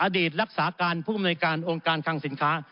รักษาการผู้อำนวยการองค์การคังสินค้า